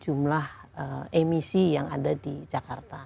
jumlah emisi yang ada di jakarta